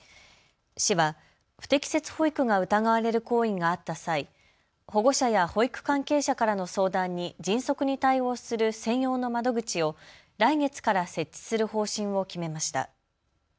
市は不適切保育が疑われる行為があった際、保護者や保育関係者からの相談に迅速に対応する専用の窓口を来月から設置する方針を決めました。